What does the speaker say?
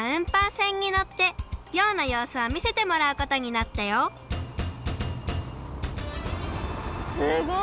船にのって漁のようすをみせてもらうことになったよすごい！